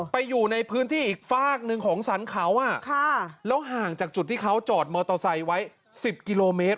ไปอยู่ในพื้นที่อีกฝากหนึ่งของสรรเขาแล้วห่างจากจุดที่เขาจอดมอเตอร์ไซค์ไว้๑๐กิโลเมตร